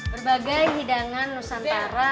berbagai hidangan nusantara